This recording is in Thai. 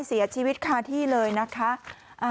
เสียชีวิตคาที่เลยนะคะ